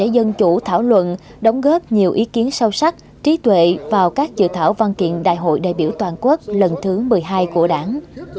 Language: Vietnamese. dân chủ thảo luận đóng góp nhiều ý kiến sâu sắc trí tuệ vào các dự thảo văn kiện đại hội đại biểu toàn quốc lần thứ một mươi hai của đảng